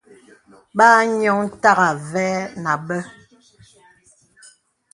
Bà ànioŋ tàgā və̂ nà àbə.